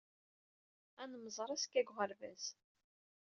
Ad nemmẓer azekka deg uɣerbaz.